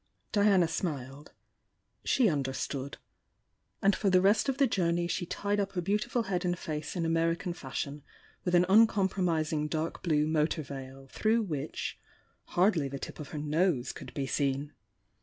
Diana smiled. She understood. And for the rest of the journey she tied up her beautiful head and face in American faaiiion with an uncompromising dark blue motor veil through which hardly the tip of her nose could be seen.